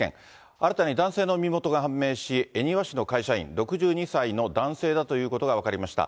新たに男性の身元が判明し、恵庭市の会社員、６２歳の男性だということが分かりました。